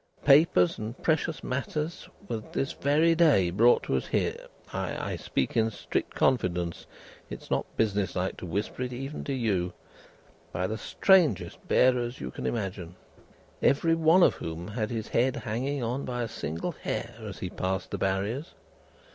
Papers and precious matters were this very day brought to us here (I speak in strict confidence; it is not business like to whisper it, even to you), by the strangest bearers you can imagine, every one of whom had his head hanging on by a single hair as he passed the Barriers.